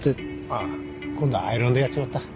ああ今度はアイロンでやっちまった。